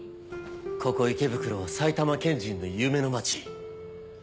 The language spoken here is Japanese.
ここ池袋は埼玉県人の夢の街。